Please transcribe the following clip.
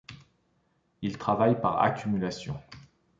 Il travaille par accumulation.